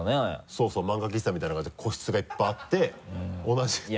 そうそう漫画喫茶みたいな感じで個室がいっぱいあって同じ